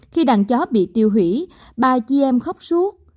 khi đàn chó bị tiêu hủy ba chị em khóc suốt